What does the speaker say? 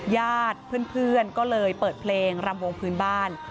ญาติเพื่อนก็เลยเปิดเพลงรำวงพื้นบ้าน